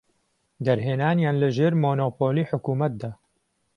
دەرهێنانیان لە ژێر مۆنۆپۆلی حکومەتدا.